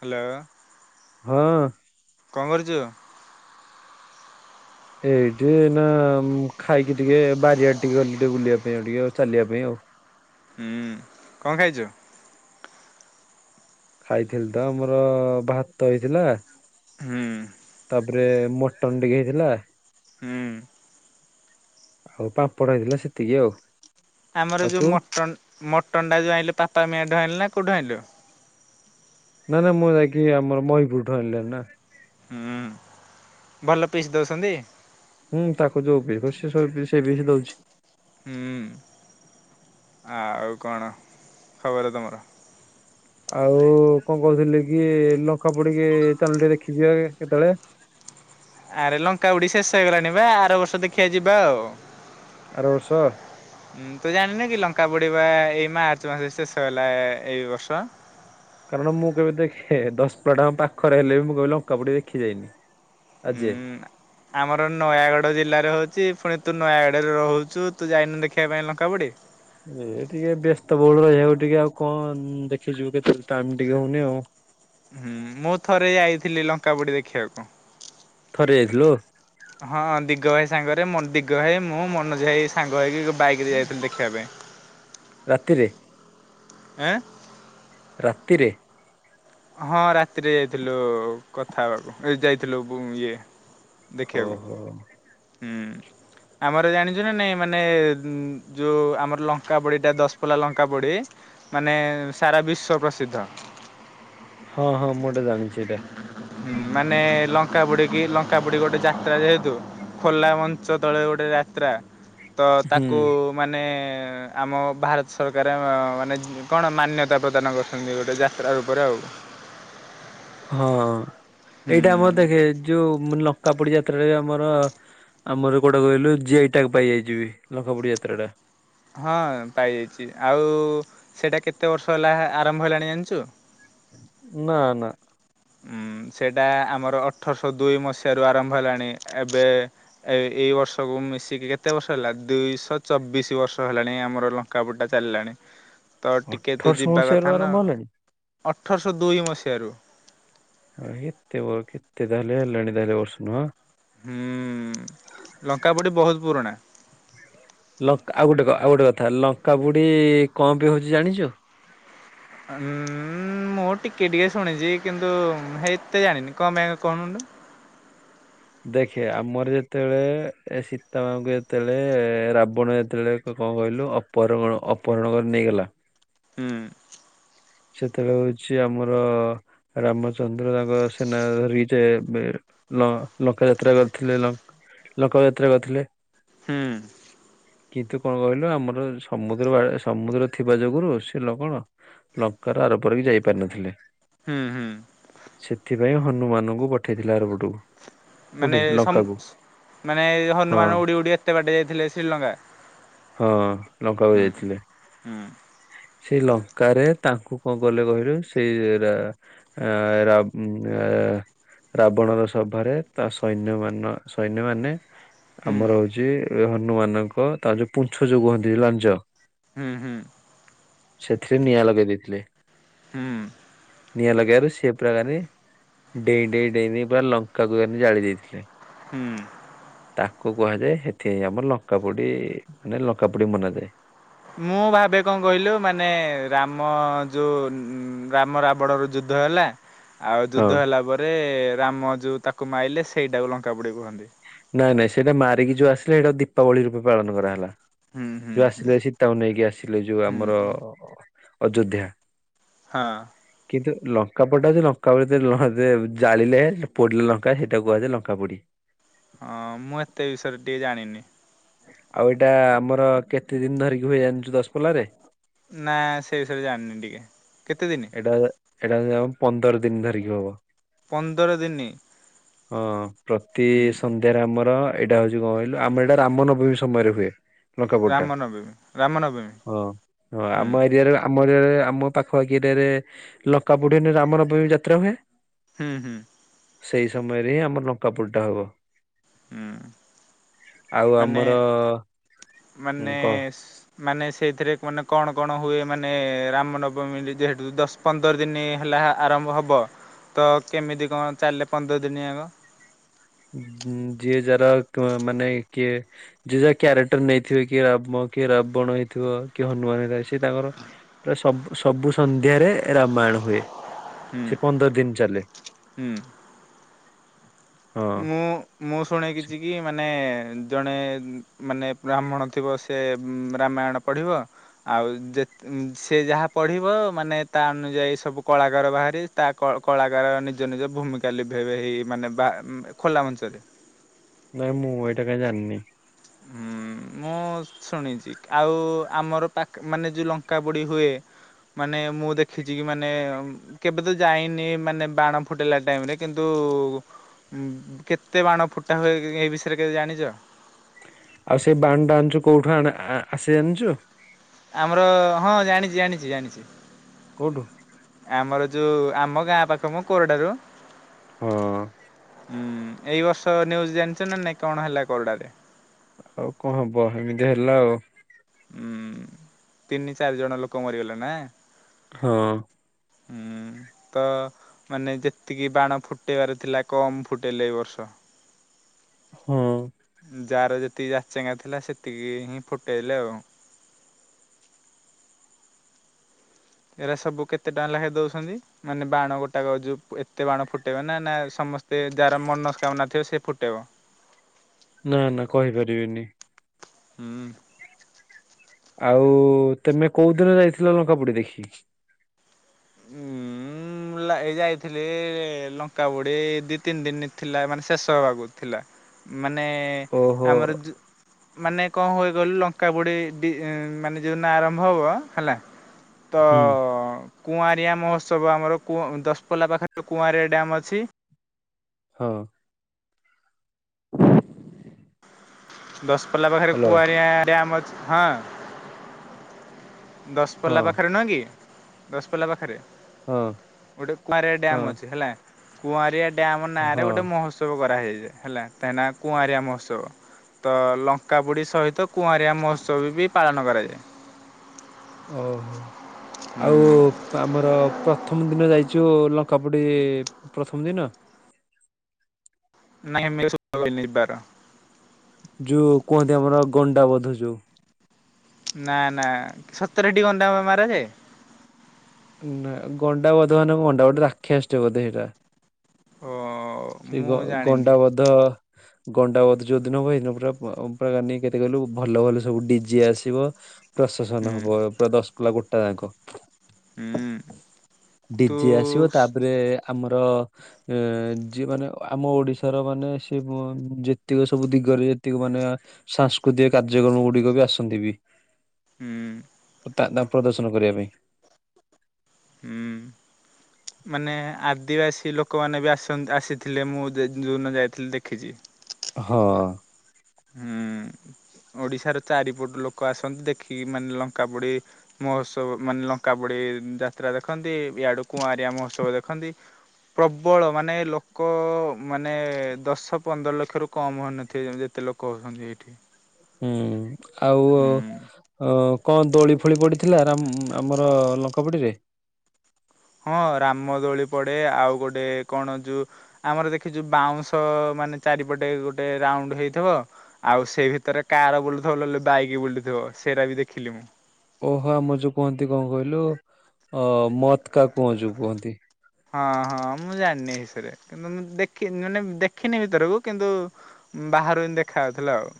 Hello. ହଁ। କଣ କରୁଛୁ? ଏଇଠି ନା ଖାଇକି ଟିକେ ବାରିଆଡେ ଟିକେ ଗଲେ ଟିକେ ବୁଲିବା ପାଇଁ ଆଉ ଟିକେ ଆଉ ଚାଲିବା ପାଇଁ ଆଉ। ହୁଁ କଣ ଖାଇଛୁ? ଖାଇଥିଲି ତ ଆମର ଭାତ ହେଇଥିଲା ହୁଁ। ତାପରେ ମଟନ ଟିକେ ହେଇଥିଲା। ହୁଁ। ଆଉ ପାମ୍ପଡ ହେଇଥିଲା ସେତିକି ଆଉ। ଆମର ଆଉ ଯୋଉ ତୁ ମଟନ୍ ମଟନ୍ ଟା ଯୋଉ ଆଣିଲୁ ପାପା ମିଆଁ ଠାଉ ଆଣିଲୁ ନା କଉଠୁ ଆଇଲୁ? ନା ନାଁ ମୁଁ ଯାଇକି ଆମର ମହିଁ ପୁରଠୁ ଆଣିଲଣି ନା। ହୁଁ ଭଲ ପିସ୍ ଦଉଛନ୍ତି। ହୁଁ ତାକୁ ଯୋଉ ବି ସେ ବିଷ ଦଉଛି। ହ ଆଉ କଣ ଖବର ତମର? ଆଉ କଣ କହୁଥିଲି କି, ଲଙ୍କା ପଡିକି ଚାଲୁନୁ ଟିଏ ଦେଖି ଯିବା କେତେଳେ ଆରେ ଲଙ୍କା ଉଡି ଶେଷ ହେଇଗଲାଣି ବା, ଆର ବର୍ଷ ଦେଖିବା ଯିବା ଆଉ। ଆର ଅର୍ଷ? ଉଁ ତୁ ଜାଣିନୁ କି ଲଙ୍କା ପୋଡିବା ଏଇ ମାର୍ଚ୍ଚ ମାସରେ ଶେଷ ହେଲା ଏଇ ବର୍ଷ। କାରଣ ମୁଁ କେବେ ଦେଖେ, ଦଶ ପେଡ ପାଖରେ ହେଲେ ବି ମୁଁ କେବେ ବି ଲଙ୍କା ପୋଡି ଦେଖି ଯାଇନି। ଆଜେ ଉଁ ଆମର ନୟାଗଡ ଜିଲ୍ଲାରେ ହୋଉଚି, ପୁଣି ତୁ ନୟାଗଡରେ ରୋହୁଚୁ ତୁ ଯାଇନୁ ଦେଖିବା ପାଇଁ ଲଙ୍କା ପୋଡ଼ି? ଏ ଠୀକେ ବ୍ୟସ୍ତ ବହୁଳ ରହିବାକୁ ଟିକେ ଆଉ କନ୍ ଦେଖିଯିବୁ [unintelligible] ଟାଇମ୍ ଟିକେ ହଉନି ଆଉ। ହୁଁ ମୁଁ ଥରେ ଆଇଥିଲି ଲଙ୍କା ପୁଡି ଦେଖିବାକୁ। ଥରେ ଯାଇଥିଲୁ? ହଁ ଦିଗ ଭାଇ ସାଙ୍ଗରେ ମନ୍ ଦିଗ ଭାଇ ମୁଁ ମନୋଜ ଭାଇ ସାଙ୍ଗ ହେଇକି ବାଇକ ରେ ଯାଇଥିଲି ଦେଖିବା ପାଇଁ। ରାତିରେ ଆଁ ରାତିରେ ହଁ ରାତିରେ ଯାଇଥିଲୁ କଥା ହବାକୁ ଏଇ ଯାଇଥିଲୁ ଇଏ ଦେଖିବାକୁ ଓହୋ। ହୁଁ ଆମର ଜାଣିଜୁ ନା ନାଇଁ ମାନେ ଯୋଉ ଆମର ଲଙ୍କା ପଡିଟା ଦଶ ପଲା ଲଙ୍କା ପୋଡି ମାନେ, ସାରା ବିଶ୍ଵ ପ୍ରସିଦ୍ଧ। ହଁ ହଁ ମୁଁ ଏଟା ଜାଣିଚି ଏଇଟା। ହୁଁ ମାନେ ଲଙ୍କା ବୁଡ଼ିକି, ଲଙ୍କା ପୁଡ଼ି ଗୋଟେ ଯାତ୍ରା ଯେହେତୁ ଖୋଲା ମଞ୍ଚ ତଳେ ଗୋଟେ ଯାତ୍ରା, ତ ହୁଁ ତାକୁ ମାନେ, ଆମ ଭାରତ ସରକାର ଆ ମାନେ କଣ ମାନ୍ୟତା ପ୍ରଦାନ କରି ସଙ୍ଗୀ ଗୋଟେ ଯାତ୍ରା ଉପରେ ଆଉ। ହଁ ହୁଁ ଏଇଟା ଆମ ଦେଖେ, ଯୋଉ ଲଙ୍କା ପୋଡ଼ି ଯାତ୍ରାରେ ଆମର ଆମର କୋଉଟା କହିଲୁ ଯେ ଏଇଟାକୁ ପାଇଯାଇ ଯିବି ଲଙ୍କା ପୋଡି ଯାତ୍ରା ଟା। ହଁ ପାଇଯାଇଚି। ଆଉ ସେଟା କେତେ ବର୍ଷ ହେଲା ଆରମ୍ଭ ହେଲାଣି ଜାଣିଚୁ? ନା ନା। ଇମ୍ ସେଟା ଆମର ଅଠରଶ ଦୁଇ ମସିହାରୁ ଆରମ୍ଭ ହେଲାଣି, ଏବେ ଏଇ ଏ ବର୍ଷକୁ ମିଶିକି କେତେ ବର୍ଷ ହେଲା? ଦୁଇଶ ଚବିଶି ବର୍ଷ ହେଲାଣି ଆମର ଲଙ୍କାପୁଟା ଚାଲିଲାଣି। ତ ଟିକେ ତୁ ଅଠରଶହ ଯିବା ମସିହାରୁ କଥା ନା, ଆରମ୍ଭ ହେଲାଣି ଅଠରଶ ଦୁଇ ମସିହାରୁ। ହଁ ଏତେ ବ କେତେ ତାହାଲେ ହେଲାଣି ତାଲେ ବର୍ଷ ନୁଅଁ। ହୁଁ ଲଙ୍କା ପୋଡି ବହୁତ ପୁରୁଣା। ଲଙ୍କ୍ ଆଉ ଗୋଟେ କ ଆଉ ଗୋଟେ କଥା, ଲଙ୍କା ବୁଡି କଁ ପାଇଁ ହଉଚି ଜାଣିଚୁ? ଉୁଁମ୍ ମୁଁ ଟିକେ ଟିକେ ଶୁଣିଜି କିନ୍ତୁ ହେତେ ଜାଣିନି। କଣ ପାଇଁ କଣନୁ? ଦେଖେ ଆମର ଯେତେବେଳେ, ଏ ସୀତାମାଙ୍କୁ ଯେତେବେଳେ ରାବଣ ଯେତେବେଳେ କଣ କହିଲୁ? ଅପରଣ ଅପହରଣ କରି ନେଇଗଲା ହୁଁ ସେତେବେଳେ ହୋଉଚି ଆମର ରାମଚନ୍ଦ୍ର ତାଙ୍କ ସେନା ଧରିକି ଯେ ବେ ଲ ଲଙ୍କା ଯାତ୍ରା କରିଥିଲେ, ଲଙ୍କ ଯାତ୍ରା କରିଥିଲେ। ହୁଁ କିନ୍ତୁ କଣ କହିଲୁ, ଆମର ସମୁଦ୍ର ବା ସମୁଦ୍ର ଥିବା ଯୋଗୁରୁ ସେ ଲବଣ ଲ କାର ଆର ପାରିକି ଯାଇପାରିିନଥିଲେ। ହୁଁ ହୁଁ ସେଥିପାଇଁ ହନୁମାନଙ୍କୁ ପଠେଇଥିଲେ ଆର ପଟକୁ। ମାନେ ସମ୍ ମାନେ ହଁ ହନୁମାନ ଉଡି ଉଡି ଏତେ ବାଟ ଯାଇଥିଲେ ଶ୍ରୀଲଙ୍କା? ହଁ ଲଙ୍କା କୁ ହୁଁ ଯାଇଥିଲେ। ହୁଁ। [inaudible] ସେଇ ଲଙ୍କାରେ, ତାଙ୍କୁ କଣ କଲେ କହିଲୁ, ସେଇ ରା ଆ ରାବ୍ ଏ ରାବଣ ର ସଭାରେ ତା ସୈନ୍ୟ ମାନ ସୈନ୍ୟ ମାନେ ଆମର ହୁଁ ହୋଉଛି ହନୁମାନଙ୍କ ତା ଯୋଉ ପୁଞ୍ଛ ଯୋଉ କୁହନ୍ତି ଲାଞ୍ଜ ହୁଁ ହୁଁ। ସେଥିରେ ନିଆଁ ଲଗେଇ ଦେଇଥିଲେ। ହୁଁ। ନିଆଁ ଲଗେଇବାରୁ ସିଏ ପୁରା ଗାର ଡେଇଁ ଡେଇଁ ଡେଇଁ ପୁରା ଲଙ୍କାକୁ ମାନେ ଜାଳି ଦେଇଥିଲେ। ହୁଁ। ତାକୁ କୁହାଯାଏ, ହେଥିପାଇଁ ଆମର ଲଙ୍କାପୁଡି ମାନେ ଲଙ୍କାପୁଡି ମନାନ୍ତି। ମୁଁ ଭାବେ କଣ କହିଲୁ ମାନେ ରାମ ଯୋଉ ରାମ ରାବଣ ର ଯୁଦ୍ଧ ହେଲା ଆଉ ହଁ ଯୁଦ୍ଧ ହେଲା ପରେ ରାମ ଯୋଉ ତାକୁ ମାଇଲେ ସେଇଟାକୁ ଲଙ୍କା ପୋଡ଼ି କୁହନ୍ତି। ନାଇଁ ନାଇଁ ସେଇଟା ମାରିକି ଯୋଉ ଆସିଲେ ସେଇଟାକୁ ଦୀପାବଳି ରୂପେ ପାଳନ କରଗଲା। ହୁଁ ହୁଁ ଯୋଉ ହୁଁ ଆସିଲେ ସୀତାକୁ ନେଇକି ଆସିଲେ ଯୋଉ ହୁଁ ଆମର ହୁଁ ଅଯୋଧ୍ୟା। ହଁ। [inaudible] କିନ୍ତୁ ଲଙ୍କା ପୋଡ଼ି ଟାଣ ଅଉଛି ଲଙ୍କା ଜାଳିଲେ ପଡିଲେ ଲଙ୍କା ସେଇଟା କୁହାଯା ଲଙ୍କା ପୋଡି [unintelligible] ହଁ ମୁଁ ଏତେ ବିଷୟରେ ଟିକେ ଜାଣିନି। ଆଉ ଏଇଟା ଆମର କେତେ ଦିନ ଧରିକି ହୁଏ ଜାଣିଛୁ ଦଶପଲାରେ? ନା? ସେଇ ବିଷୟରେ ଜାଣିନି ଟିକେ, କେତେ ଦିନ? ଏଇଟା ଏଇଟା ଆମର ହେଉଛି ପନ୍ଦର ଦିନ ଧରିକି ହବ। ପନ୍ଦର ଦିନି ହଁ ପ୍ରତି ହୁଁ ଏବଂ ଏରେ ଆମର ଏଇଟା ହଉଛି କଣ କହିଲୁ ଆମର ଏଇଟା ରାମ ନବମୀ ସମୟରେ ହୁଏ। ଲଙ୍କାପୋଡିଟା ରାମନବମୀ ରାମନବମୀ ହଁ ହୁଁ ଆମ ଏରିଆରେ ଆମ ଏରିଆରେ ଆମ ପାଖାପାଖି ଏରିଆରେ ଲଙ୍କାପୁଡ଼ି ରାମନବମୀ ଯାତ୍ରା ହୁଏ। ହୁଁ ହୁଁ। ସେଇ ସମୟରେ ହିଁ ଆମର ଲଙ୍କା ପୁଡିଟା ହବ ଆଉ ମାନେ ଆମର ହୁଁ ମାନେ କହ ମାନେ ସେଇଥିରେ ମାନେ କଣ କଣ ହୁଏ ମାନେ ରାମନବମୀ ଯେହେତୁ ଦଶ ପନ୍ଦର ଦିନ ହେଲା ଆରମ୍ଭ ହବ ତ କେମିତି କଣ ଚାଲେ ପନ୍ଦର ଦିନ ଆ ଯିଏ ଯାର ମାନେ କିଏ ଯିଏ ଯାହା କ୍ୟାରେକ୍ଟର୍ ନେଇଥିବେ କି ରାମ କି ରାବଣ ହେଇଥିବ କି ହନୁମାନ ହେଇ ସେ ତାଙ୍କର ସବୁ ସବୁ ସନ୍ଧ୍ୟାରେ ରାମାୟଣ ହୁଏ ହୁଁ ସେ ପନ୍ଦର ଦିନ ଚାଲେ। ହୁଁ। ହଁ। ମୁଁ ମୁଁ ଶୁଣେ କିିଛି କି ମାନେ ଜଣେ ମାନେ ବ୍ରାହ୍ମଣ ଥିବ ସେ ରାମାୟଣ ପଢିବ। ଆଉ ଯେ ସେ ଯାହା ପଢ଼ିବ ମାନେ ତା ଅନୁଯାୟୀ ସବୁ କଳାକାର ବାହାରିବେ। ତା କଳାକାର ନିଜ ନିଜ ଭୂମିକା ଲିଭେଇବେ ହେଇ ମାନେ ବା ଖୋଲା ମଞ୍ଚରେ ନାଇଁ ମୁଁ ଏଇଟା କାଇଁ ଯାଣିନି। ଉଁ ହୁଁ। ମୁଁ ଶୁଣିଛି ଆଉ ଆମର ପାଖ ମାନେ ଯୋଉ ଲଙ୍କା ପୋଡି ହୁଏ ମାନେ ମୁଁ ଦେଖିଛି କି ମାନେ କେବେ ତ ଯାଇନି ମାନେ ବାଣ ଫୁଟେଇଲାା ଟାଇମ ରେ କିନ୍ତୁ କେତେ ବାଣ ଫୁଟା ହୁଏ ଏ ବିଷୟରେ କେବେ ଜାଣିଚ? ଆଉ ସେ ବାଣ ଟା ଆଣିଛୁ କୋଉଠୁ ଆସେ ଯାଣିଛୁ? ଆମର ହଁ ଜାଣିଛି ଜାଣିଛି ଜାଣିଛି। କୋଉଠୁ ଆମର ଯୋଉଁ ଆମ ଗାଁ ପାଖ ମ କୋରଡାରୁ। ହଁ। ହୁଁ ଏଇ ବର୍ଷ ନ୍ୟୁୟୁଜ୍ ଜାଣିଛ ନା ନାଇଁ କଣ ହେଲା କୋଡାରେ। ଆଉ କଣ ହବ ଏମିତି ହେଲା ଆଉ। ଉଁ ତିନି ଚାରି ଜଣ ଲୋକ ମରିଗଲେ ନା ହଁ। ହୁଁ। ତ ମାନେ ଯେତିକି ବାଣ ଫୁଟେଇବାର ଥିଲା କମ୍ ଫୁଟେଇଲେ ଏଇ ବର୍ଷ। [inaudible] ହଁ। ଯାର ଯେତିକି ଜାଚେଙ୍ଗା ଥିଲା ସେତିକି ହିଁ ଫୁଟେଇଲେ ଆଉ। ଏଇରା ସବୁ କେତେ ଟଙ୍କା ଲେଖାଏ ଦୋଉଛନ୍ତି? ମାନେ ବାଣ ଗୋଟା କ ଯୋ ଏତେ ବାଣ ଫୁଟେଇବା ନା ନା ସମସ୍ତେ ଯାହାର ମନସ୍କାମନା ଥିବ ସେ ଫୁଟେଇବ। [inaudible] ନାଁ ନାଁ କହିପାରିବିନି। ହୁଁ। ଆଉ ତମେ କୋଉ ଦିନ ଯାଇଥିଲ ଲଙ୍କା ପୋଡି ଦେଖି? ହୁଁ। ଏ ଯାଇଥିଲି ଲଙ୍କା ପୋଡି ଦି ତିନି ଦିନ ଥିଲା ମାନେ ଶେଷ ହବାକୁ ଥିଲା। ମାନେ ଓହୋ ଆମର ଯୋ ମାନେ କଅ ହୁଏ କହିଲୁ ଲଙ୍କା ପୁଡ଼ି ମାନେ ଯେଉଁଦନ ଆରମ୍ଭ ହେବ ହେଲା। [unintelligible] ତ ହୁଁ କୁଆଁରିଆ ମହୋତ୍ସବ ଆମର ଦଶ୍ ପଳା ପାଖରେ କୁଆଁରିଆ ଡ୍ୟାମ୍ ଅଛି। ହଁ। [inaudible] ଦଶ ପଲା ପାଖରେ ହ୍ୟାଲୋ କୁଆରିଆ ଡାମ୍ ଅଛି, ହଁ। ହଁ ଦଶପଲା ପାଖରେ ନୁହେଁ କି ଦଶପଲା ପାଖରେ। ହଁ ଗୋଟେ କୁଆଁରଆ ହଁ। ଡ୍ୟମ୍ ଅଛି ହେଲା କୁଆଁରଆ ଡ୍ୟମ୍ ନାଁରେ ହଁ ଗୋଟେ ମହତ୍ ଉତ୍ସବ କରାହେଇଯାଏ ହେଲା କାହିକନା କୁଆଁରଆ ମହୋତ୍ସବ। ତ ଲଙ୍କାବୁଡ଼ି ସହିତ କୁଆଁରିଆ ମହୋତ୍ସବ ବି ପାଳନ କରାଯାଏ। ଓହୋ ଆଉ ଆମର ପ୍ରଥମ ଦିନ ଯାଇଛୁ ଲଙ୍କା ପୁଡି ପ୍ରଥମ ଦିନ। ନାଇଁ [inaudible] ଯୋଉଁ କୁହନ୍ତି ଆମର ଗଣ୍ଡାବଧ ଯୋଉଁ। ନା ନା ସତରେ ହେଟି ଗନ୍ଦା ମରା ଯାଏ। ନା ଗଣ୍ଡା ବୋଧ ମାନେ ଗଣ୍ଡା ଗୋଟେ ରାକ୍ଷସ ବୋଧେ ସେଇଟା। ହଁ ଅଁ-ଅ ସେଇ ଗ ଗଣ୍ଡାବଧ। ଗଣ୍ଡାବତ ଯୋଉଁ ଦିନ ହୁଏ ସେ ଦିନ ପୁରା ପୁରା କେତେ କିଲୁ ଭଲ ଭଲ ସବୁ ଡିଜେ ଆସିବ। ପ୍ରଶାସନ ହୁଁ ହବ ପୁରା ଦଶ ପିଲା ଗୋଟା ଯାକ। ହୁଁ। ତୁ ଡିଜି ଆସିବ ତାପରେ ଆମର ଯିଏ ମାନେ ଆମ ଓଡ଼ିଶାର ମାନେ ସେ ଯେତିକ ସବୁ ଦିଗରେ ଯେତିକି ମାନେ। ସାଂସ୍କୃତିକ କାର୍ଯ୍ୟକ୍ରମ ଗୁଡିକ ବି ଆସନ୍ତି ବି ହୁଁ। ତା ନା ପ୍ରଦର୍ଶନ କରିବା ପାଇଁ। ହୁଁ। ମାନେ ଆଦିବାସୀ ଲୋକମାନେ ବି ଆସନ୍ତି। ଆସିଥିଲେ ମୁଁ ଯେଉଁଦିନ ଯାଇଥିଲି ଦେଖିଛି। ହଁ। ହୁଁ, ଓଡିଶାର ଚାରିପଟୁ ଲୋକ ଆସନ୍ତି ଦେଖିକି ମାନେ ଲଙ୍କା ପୋଡ଼ି- ମହୋତ୍ସବ ମାନେ ଲଙ୍କା ପୋଡ଼ି ଯାତ୍ରା ଦେଖନ୍ତି ଇଆଡୁ କୁଆଁରିଆ ମହୋତ୍ସବ ଦେଖନ୍ତି। ପ୍ରବଳ ମାନେ ଲୋକ ମାନେ, ଦଶ ପନ୍ଦର ଲକ୍ଷରୁ କମ୍ ହୋଇନଥିବେ ଯେତେ ଲୋକ। ହେଉଛନ୍ତି ଏଇଠି ହୁଁ ଆଉ ହୁଁ। ଅ- କଣ, ଦୋଳି ଫୋଳି ପଡ଼ିଥିଲା ଆମର ଲଙ୍କାପୋଡିରେ ହଁ ରାମ ଦୋଳି ପଡେ, ଆଉ ଗୋଟେ କଣ ଯୋଉ, ଆମର ଦେଖିଛୁ ବାଉଁଶ ମାନେ ଚାରିପଟେ ଗୋଟେ ରାଉଣ୍ଡ ହେଇଥିବ। ଆଉ ସେଇ ଭିତରେ କାର ବୁଲୁଥିବ। ବାଇକ ବୁଲୁଥିବ ସେଇଟା ବି ଦେଖିଲି ମୁଁ, ଓହୋ! ଆମ ଯୋଉ କୁହନ୍ତି କଣ କହିଲୁ ମତ କା କୁଆ ଯୋଉ କୁହନ୍ତି। ହଁ ହଁ ମୁଁ ଜାଣିନି ଏ ବିଷୟରେ, କିନ୍ତୁ ମୁଁ ଦେଖିନି ଯୋଉ ଦେଖିନି ଭିତରକୁ କିନ୍ତୁ। ବାହାରୁ ଦେଖା ଯାଉଥିଲା ଆଉ।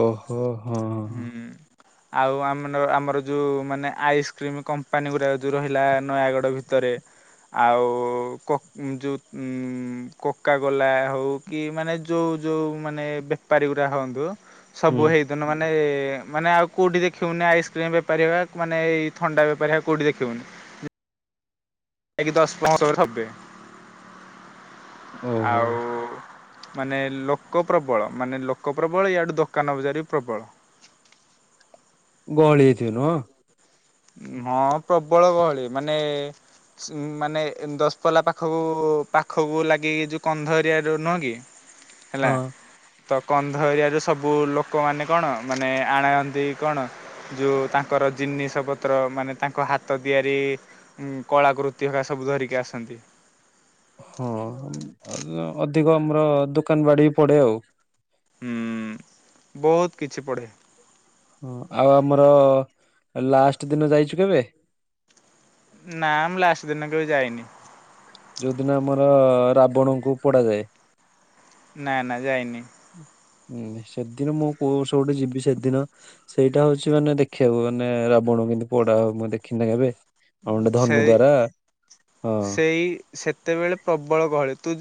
ଓହୋ! ହୋ ହୁଁ। ଆଉ ଆମ ଆମର ଯେଉଁ ମାନେ ଆଇସ୍କ୍ରିମ୍ କମ୍ପାନୀ ଗୁଡ଼ାକ ଯେଉଁ ରହିଲା ନୟାଗଡ଼ ଭିତରେ। ଆଉ ଯେଉଁକୋକା କୋଲା ହେଉ କି? ମାନେ ଯୋଉ ଯୋଉ ମାନେ ବେପାରୀ ଗୁଡା ହୁଅନ୍ତୁ ହୁଁ ସବୁ ହେଇଠି ତେଣୁ ମାନେ, ମାନେ ଆଉ କେଉଁଠି ଦେଖିବୁନି ଆଇସ୍କ୍ରିମ୍ ବେପାରୀ ହେ ଉ ମାନେ ଏଇ ଥଣ୍ଡା ବେପାରୀ ହେ କେଉଁଠି ଦେଖିବୁନି। ଆ ଦଶ ପନ୍ଦ ବ ଭବେ [inaudible] ଓହୋ ଆଉ! ମାନେ ଲୋକ ପ୍ରବଳ ମାନେ ଲୋକ ପ୍ରବଳ, ୟାଡୁ ଦୋକାନ ବଜାର ବି ପ୍ରବଳ। [inaudible] ହଁ ପ୍ରବଳ ଗହଳି ମାନେ। ଉ ମାନେ ଦଶପଲା ପାଖକୁ, ପାଖକୁ ଲାଗିକି ଯୋଉ କନ୍ଧ ଏରିଆ ର ନୁହଁ କି? ହେଲା ହଁ। ତ କନ୍ଧ ଏରିଆରେ ସବୁ ଲୋକମାନେ କଣ ମାନେ ଆଣନ୍ତି ଦେଇ କଣ ଯୋଉ ତାଙ୍କର ଜିନିଷ ପତ୍ର। ଜିନିଷପତ୍ର ମାନେ ତାଙ୍କ ହାତ ତିଆରି, କଳାକୃତି ହେରିକା ସବୁ ଧରିକି ଆସନ୍ତି। ହଁ ଅଧିକ ଆମର ଦୋକାନ ବାଡ଼ି ପଡ଼େ ଆଉ? ହଁ, ବହୁତ କିଛି ପଢ଼େ। ହଁ।? ଆଉ ଆମର ଲାଷ୍ଟ ଦିନ ଯାଇଛୁ କେବେ ନା ମୁଁ ଲାଷ୍ଟ ଦିନ କେବେ। ଯାଇନି ଯୋଉଦିନ ଆମର ରାବଣଙ୍କୁ ପୋଡା ଯାଏ। ନା ନା ଯାଇନି। ହୁଁ ସେଦିନ ମୁଁ କୋଷ ଗୋଟେ ଯିବି ସେଦିନ ସେଇଟା ହଉଛି ମାନେ ଦେଖିବାକୁ। ମାନେ ରାବଣ କେମିତି ପୋଡା ହବ ମୁଁ ଦେଖିନି ନା କେବେ। ଆଉ ଗୋଟେ ଧନୁ ସେଇ ଦ୍ଵାରା ହଁ। ସେଇ ସେତେବେଳେ ପ୍ରବଳ ଗହଳି। ତୁ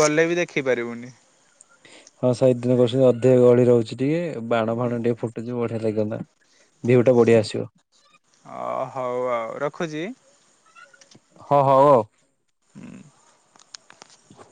ଗଲେ ବି ଦେଖିପାରିବୁନି। ହଁ ସେ ଦିନ କରୁଛନ୍ତି ଅଧିକ ଗହଳି ରହୁଛି ଟିକେ, ବାଣ ଫାଣ ଟିକେ ଫୁଟ୍ଟି ଚି ବଢିଆ ଲାଗେନ୍ତାନା। ଭିୟୁ ଟା ବଢିଆ ଆସିବ। ଅ ହଉ ଆଉ ରଖୁଛି। ହ, ହଉ, ଆଉ। ହୁଁ ହ